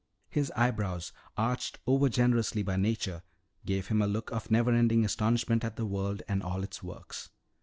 His eyebrows, arched over generously by Nature, gave him a look of never ending astonishment at the world and all its works.